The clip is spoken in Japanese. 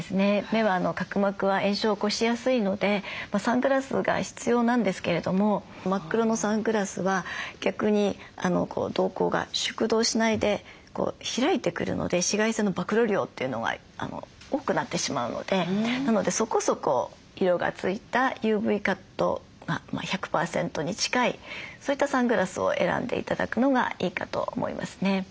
目は角膜は炎症を起こしやすいのでサングラスが必要なんですけれども真っ黒のサングラスは逆に瞳孔が縮瞳しないで開いてくるので紫外線の暴露量というのが多くなってしまうのでなのでそこそこ色が付いたＵＶカットが１００％に近いそういったサングラスを選んで頂くのがいいかと思いますね。